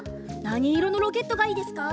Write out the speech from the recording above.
なにいろのロケットがいいですか？